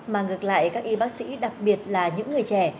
mà ngược lại các y bác sĩ đặc biệt là những người trẻ